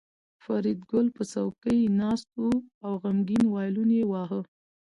فریدګل په څوکۍ ناست و او غمګین وایلون یې واهه